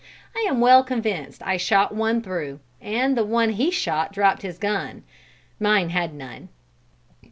I am well convinced I shot one through, and the one he shot dropped his gun. Mine had none.